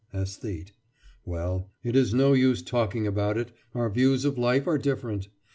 ÆSTHETE: Well, it is no use talking about it; our views of life are different.